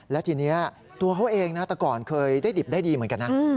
และทีนี้ตัวเขาเองนะแต่ก่อนเคยได้ดิบได้ดีเหมือนกันนะ